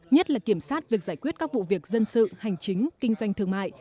nhất là kiểm soát việc giải quyết các vụ việc dân sự hành chính kinh doanh thương mại